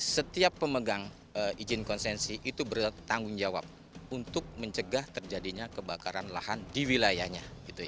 setiap pemegang izin konsensi itu bertanggung jawab untuk mencegah terjadinya kebakaran lahan di wilayahnya